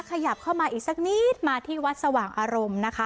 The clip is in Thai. ขยับเข้ามาอีกสักนิดมาที่วัดสว่างอารมณ์นะคะ